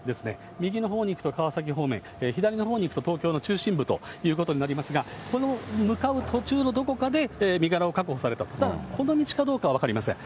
右のほうに行くと川崎方面、左のほうに行くと東京の中心部ということになりますが、この向かう途中のどこかで身柄を確保されたと、ただ、この道かどうかは分かりません。